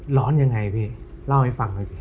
หลอนยังไงพี่เล่าให้ฟังเลยสิ